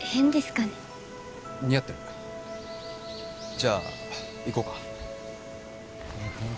じゃあ行こうか。